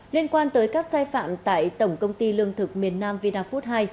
liên quan tới các sai phạm tại tổng công ty lương thực miền nam vina food hai